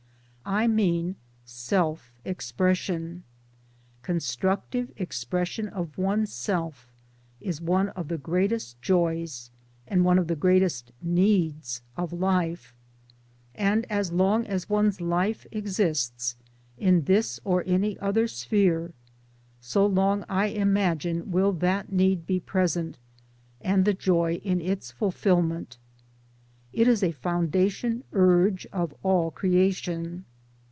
I mean Self Expression. Constructive expression of oneself is one of the greatest joys, and one of the greatest ndeds of life ; and as long as one's Life exists in this or any other sphere so long I imagine will that need be present, and the joy in its fulfil ment. It is a foundation urge of all Creation.